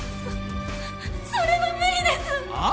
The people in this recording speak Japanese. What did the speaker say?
そそれは無理です！ああ？